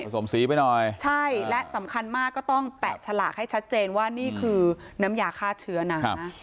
สมสีไปหน่อยใช่และสำคัญมากก็ต้องแปะฉลากให้ชัดเจนว่านี่คือน้ำยาฆ่าเชื้อนะ